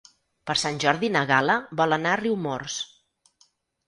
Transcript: Per Sant Jordi na Gal·la vol anar a Riumors.